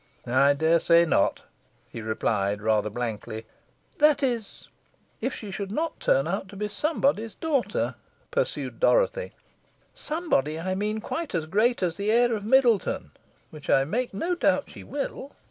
"I dare say not," he replied, rather blankly. "That is, if she should not turn out to be somebody's daughter," pursued Dorothy; "somebody, I mean, quite as great as the heir of Middleton, which I make no doubt she will."